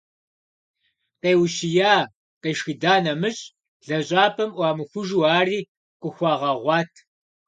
Къеущия, къешхыда нэмыщӏ, лэжьапӏэм ӏуамыхужу, ари къыхуагъэгъуат.